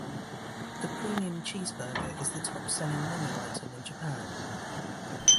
The premium cheese burger is the top selling menu item in Japan.